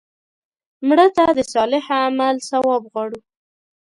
مړه ته د صالح عمل ثواب غواړو